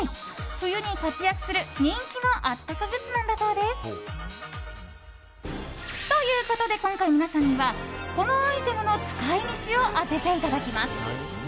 冬に活躍する、人気のあったかグッズなんだそうです。ということで今回、皆さんにはこのアイテムの使い道を当てていただきます。